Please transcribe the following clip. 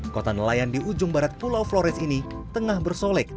kota nelayan di ujung barat pulau flores ini